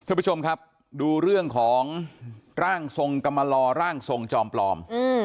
ท่านผู้ชมครับดูเรื่องของร่างทรงกรรมลอร่างทรงจอมปลอม